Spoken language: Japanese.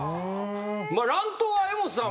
乱闘は江本さん